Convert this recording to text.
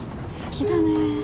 好きだね